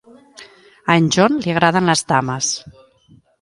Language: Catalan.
A en John li agraden les dames.